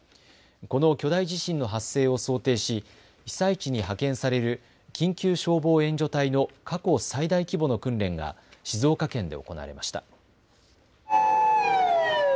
この巨大地震の発生を想定し被災地に派遣される緊急消防援助隊の過去最大規模の訓練が静岡県で行われました。